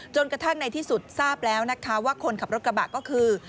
กระทั่งในที่สุดทราบแล้วนะคะว่าคนขับรถกระบะก็คือ